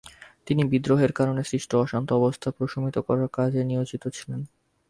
তিনি বিদ্রোহের কারণে সৃষ্ট অশান্ত অবস্থা প্রশমিত করার কাজে নিয়োজিত ছিলেন।